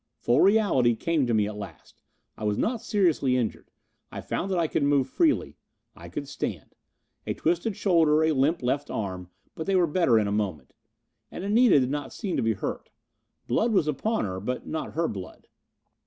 Full reality came to me at last. I was not seriously injured. I found that I could move freely. I could stand. A twisted shoulder, a limp left arm, but they were better in a moment. And Anita did not seem to be hurt. Blood was upon her. But not her blood.